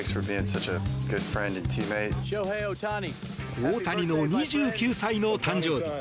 大谷の２９歳の誕生日。